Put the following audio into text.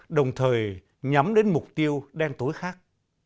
đồng thời nhắm đến mục tiêu đen tối khác